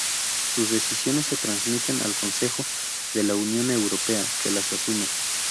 Sus decisiones se transmiten al Consejo de la Unión Europea, que las asume.